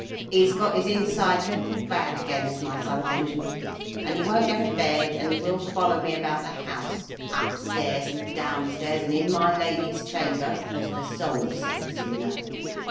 "He's got his inside dreadful bad again, has my son Benjamin. And he won't go to bed, and he will follow me about the house, up stairs and downstairs, and in my lady's chamber, as the song says, you know.